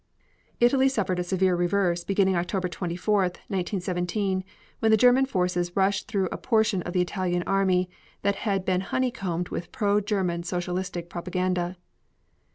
Italy suffered a severe reverse beginning October 24, 1917, when the German forces rushed through a portion of the Italian army that had been honey combed with pro German Socialistic propaganda.